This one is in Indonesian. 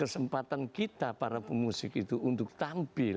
kesempatan kita para pemusik itu untuk tampil